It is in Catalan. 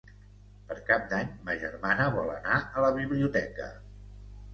Per Cap d'Any ma germana vol anar a la biblioteca.